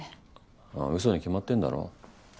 ああうそに決まってんだろ。